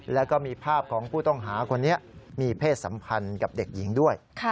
แล้วก็มีภาพของผู้ต้องหาคนนี้มีเพศสัมพันธ์กับเด็กหญิงด้วย